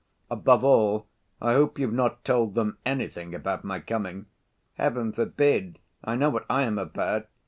Above all, I hope you've not told them anything about my coming." "Heaven forbid! I know what I am about.